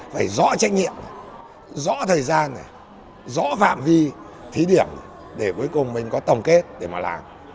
phải rõ trách nhiệm rõ thời gian rõ phạm vi thí điểm để cuối cùng mình có tổng kết để mà làm